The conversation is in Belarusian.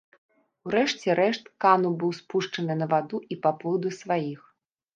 У рэшце рэшт кану быў спушчаны на ваду і паплыў да сваіх.